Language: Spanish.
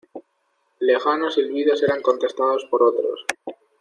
lejanos silbidos eran contestados por otros: